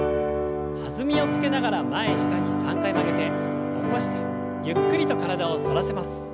弾みをつけながら前下に３回曲げて起こしてゆっくりと体を反らせます。